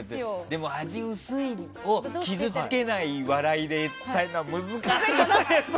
でも、味が薄いを傷つけない笑いで伝えるのは難しい。